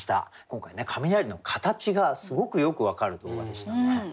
今回雷の形がすごくよく分かる動画でしたね。